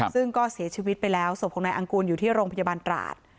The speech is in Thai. ซึ่งก็เสียชีวิตไปแล้วศพของนายอังกูลอยู่ที่โรงพยาบาลตราด